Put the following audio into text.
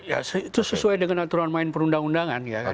ya itu sesuai dengan aturan main perundang undangan ya kan